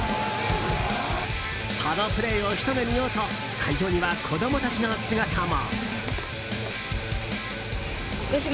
そのプレーをひと目見ようと会場には子供たちの姿も。